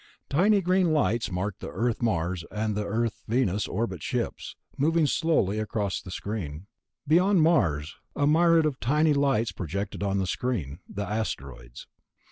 Tiny green lights marked the Earth Mars and the Earth Venus orbit ships, moving slowly across the screen. Beyond Mars, a myriad of tiny lights projected on the screen, the asteroids.